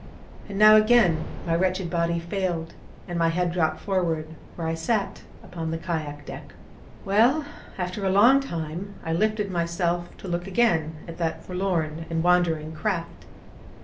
And now again my wretched body failed, and my head dropped forward, where I sat, upon the kayak deck. Well, after a long time, I lifted myself to look again at that forlorn and wandering craft.